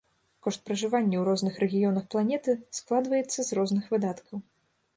Кошт пражывання ў розных рэгіёнах планеты складваецца з розных выдаткаў.